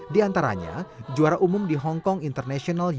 di antaranya juara umum di hong kong international choir